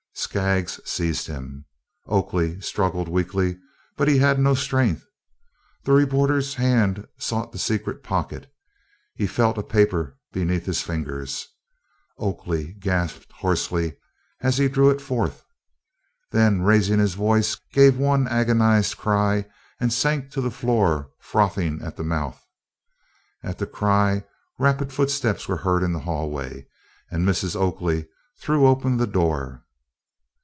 Skaggs seized him. Oakley struggled weakly, but he had no strength. The reporter's hand sought the secret pocket. He felt a paper beneath his fingers. Oakley gasped hoarsely as he drew it forth. Then raising his voice gave one agonised cry, and sank to the floor frothing at the mouth. At the cry rapid footsteps were heard in the hallway, and Mrs. Oakley threw open the door.